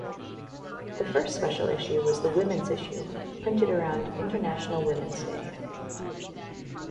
The first special issue was the women's issue, printed around International Women's Day.